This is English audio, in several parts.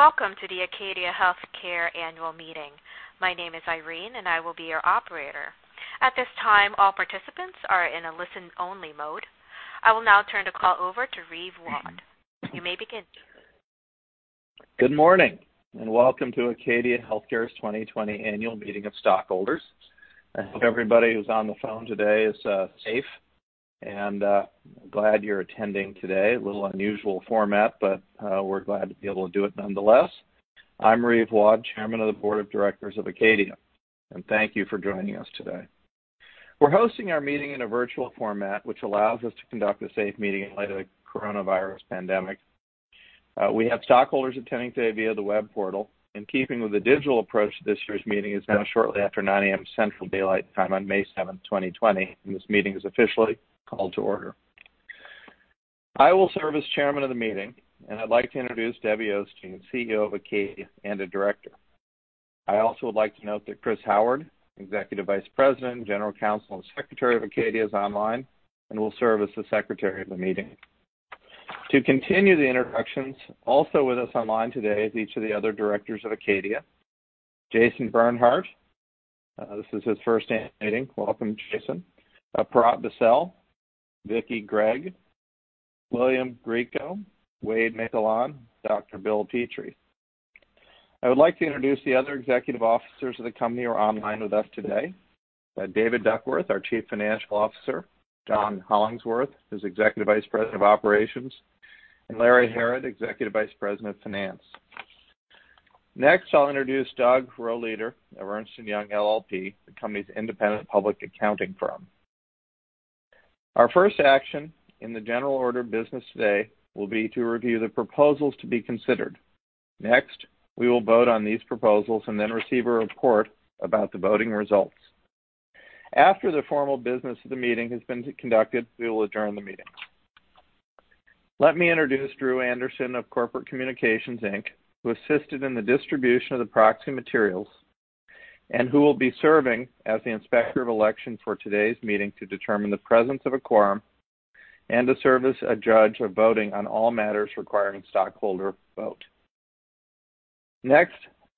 Welcome to the Acadia Healthcare Annual Meeting. My name is Irene and I will be your operator. At this time, all participants are in a listen only mode. I will now turn the call over to Reeve Waud. You may begin. Good morning and Welcome to Acadia Healthcare's 2020 Annual Meeting of Stockholders. I hope everybody who's on the phone today is safe, I'm glad you're attending today. A little unusual format, but we're glad to be able to do it nonetheless. I'm Reeve Waud, Chairman of the Board of Directors of Acadia, thank you for joining us today. We're hosting our meeting in a virtual format which allows us to conduct a safe meeting in light of the Coronavirus pandemic. We have stockholders attending today via the web portal. In keeping with the digital approach to this year's meeting, it's now shortly after 9:00 A.M. Central Daylight Time on May 7, 2020, this meeting is officially called to order. I will serve as Chairman of the meeting I'd like to introduce Debbie Osteen, CEO of Acadia and the Director. I also would like to note that Chris Howard, Executive Vice President, General Counsel, and Secretary of Acadia is online and will serve as the secretary of the meeting. To continue the introductions, also with us online today is each of the other directors of Acadia. Jason Bernhard, this is his first Annual Meeting. Welcome, Jason. Perot Bissell, Vicky Gregg, William Grieco, Wade Miquelon, Dr. Bill Petrie. I would like to introduce the other executive officers of the company who are online with us today. David Duckworth, our Chief Financial Officer, John Hollinsworth, who's Executive Vice President of Operations, and Larry Harrod, Executive Vice President of Finance. Next, I'll introduce Doug Rohleder of Ernst & Young LLP, the company's independent public accounting firm. Our first action in the general order of business today will be to review the proposals to be considered. We will vote on these proposals and then receive a report about the voting results. After the formal business of the meeting has been conducted, we will adjourn the meeting. Let me introduce Drew Anderson of Corporate Communications Inc., who assisted in the distribution of the proxy materials and who will be serving as the Inspector of Election for today's meeting to determine the presence of a quorum and to serve as a judge of voting on all matters requiring stockholder vote.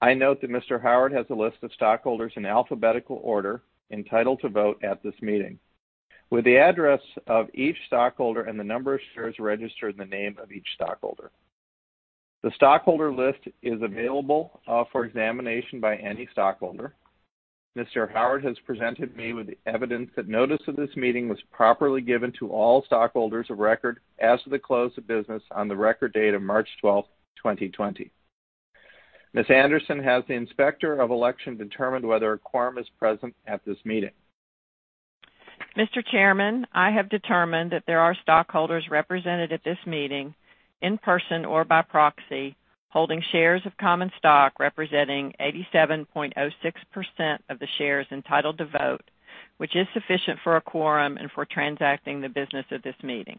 I note that Mr. Howard has a list of stockholders in alphabetical order entitled to vote at this meeting with the address of each stockholder and the number of shares registered in the name of each stockholder. The stockholder list is available for examination by any stockholder. Mr. Howard has presented me with evidence that notice of this meeting was properly given to all stockholders of record as of the close of business on the record date of March 12th, 2020. Ms. Anderson, has the Inspector of Election determined whether a quorum is present at this meeting? Mr. Chairman, I have determined that there are stockholders represented at this meeting in person or by proxy holding shares of common stock representing 87.06% of the shares entitled to vote which is sufficient for a quorum and for transacting the business of this meeting.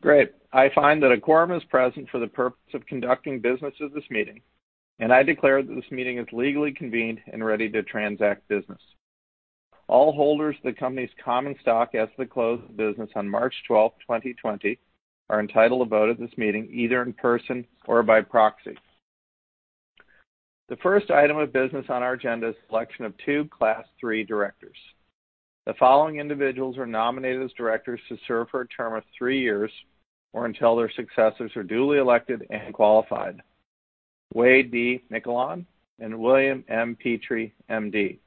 Great. I find that a quorum is present for the purpose of conducting business of this meeting and I declare that this meeting is legally convened and ready to transact business. All holders of the company's common stock as of the close of business on March 12, 2020 are entitled to vote at this meeting either in person or by proxy. The first item of business on our agenda is election of two class 3 directors. The following individuals are nominated as directors to serve for a term of three years or until their successors are duly elected and qualified. Wade D. Miquelon and William M. Petrie, MD.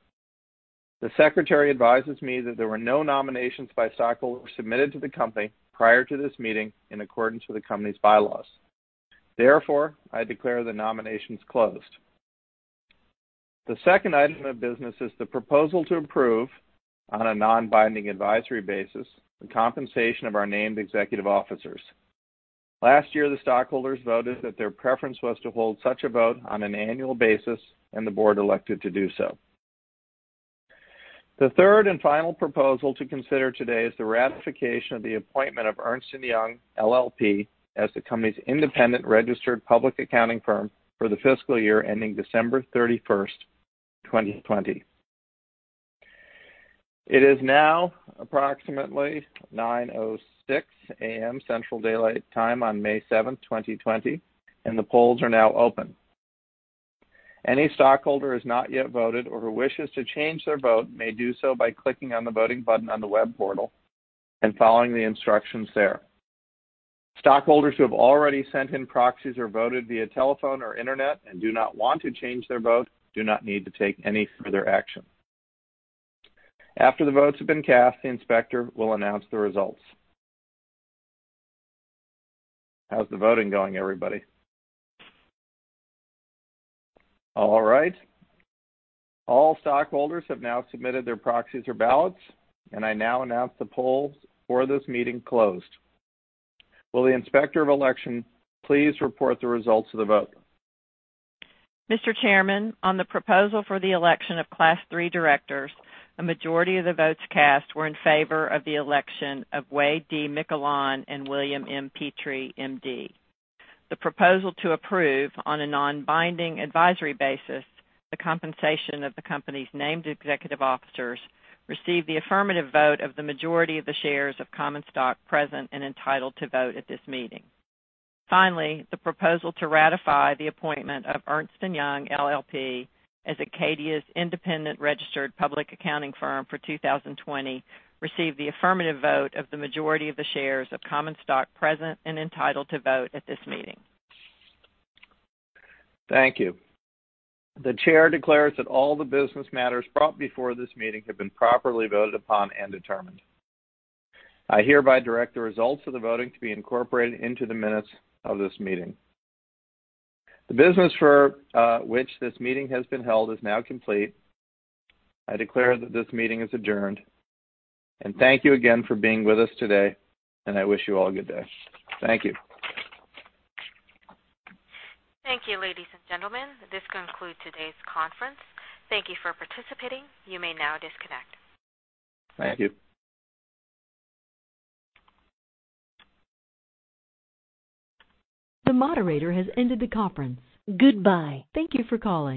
The secretary advises me that there were no nominations by stockholders submitted to the company prior to this meeting in accordance with the company's bylaws. Therefore, I declare the nominations closed. The second item of business is the proposal to approve on a non-binding advisory basis the compensation of our named executive officers. Last year, the stockholders voted that their preference was to hold such a vote on an annual basis and the board elected to do so. The third and final proposal to consider today is the ratification of the appointment of Ernst & Young LLP as the company's independent registered public accounting firm for the fiscal year ending December 31st, 2020. It is now approximately 9:06 A.M. Central Daylight Time on May 7th, 2020 and the polls are now open. Any stockholder who has not yet voted or who wishes to change their vote may do so by clicking on the voting button on the web portal and following the instructions there. Stockholders who have already sent in proxies or voted via telephone or internet and do not want to change their vote do not need to take any further action. After the votes have been cast, the Inspector will announce the results. How's the voting going, everybody. All right. All stockholders have now submitted their proxies or ballots and I now announce the polls for this meeting closed. Will the Inspector of Election please report the results of the vote? Mr. Chairman, on the proposal for the election of class 3 directors, a majority of the votes cast were in favor of the election of Wade D. Miquelon and William M. Petrie, MD. The proposal to approve on a non-binding advisory basis the compensation of the company's named executive officers received the affirmative vote of the majority of the shares of common stock present and entitled to vote at this meeting. Finally, the proposal to ratify the appointment of Ernst & Young LLP as Acadia's independent registered public accounting firm for 2020 received the affirmative vote of the majority of the shares of common stock present and entitled to vote at this meeting. Thank you. The chair declares that all the business matters brought before this meeting have been properly voted upon and determined. I hereby direct the results of the voting to be incorporated into the minutes of this meeting. The business for which this meeting has been held is now complete. I declare that this meeting is adjourned and thank you again for being with us today and I wish you all good day. Thank you. Thank you, ladies and gentlemen. This concludes today's conference. Thank you for participating. You may now disconnect. Thank you. The moderator has ended the conference. Goodbye. Thank you for calling.